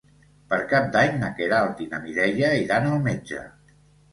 Per Cap d'Any na Queralt i na Mireia iran al metge.